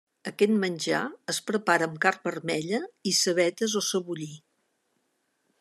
Aquest menjar es prepara amb carn vermella i cebetes o cebollí.